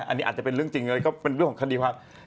อันนี้อาจจะเป็นเรื่องจริงอะไรก็เป็นเรื่องของคดีความ